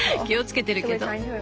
気を付けてるけど。